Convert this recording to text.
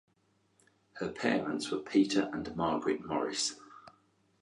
Her parents were Peter and Margaret Morris.